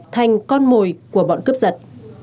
thành con mồi của bọn cướp giật